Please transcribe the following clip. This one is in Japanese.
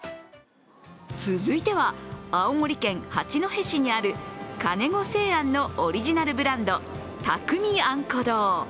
続いては、青森県八戸市にあるかねご製餡のオリジナルブランド・匠あんこ堂。